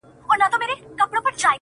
پورې ورۀ ته نه ګوري څوک